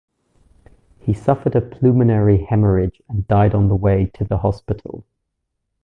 He suffered a pulmonary hemorrhage and died on the way to the hospital.